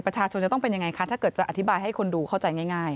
ประชาชนจะต้องเป็นยังไงคะถ้าเกิดจะอธิบายให้คนดูเข้าใจง่าย